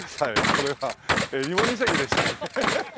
これは『襟裳岬』でしたね。